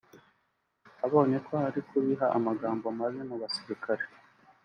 abonye ko ari kubiba amagambo mabi mu basirikare